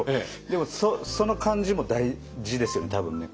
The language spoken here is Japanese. でもその感じも大事ですよね多分ね。